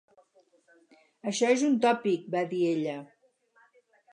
"Això és un tòpic", va dir ella.